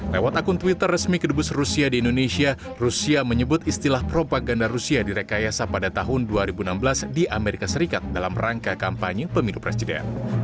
lewat akun twitter resmi kedubus rusia di indonesia rusia menyebut istilah propaganda rusia direkayasa pada tahun dua ribu enam belas di amerika serikat dalam rangka kampanye pemilu presiden